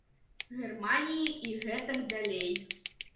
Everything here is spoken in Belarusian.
Германіі і гэтак далей.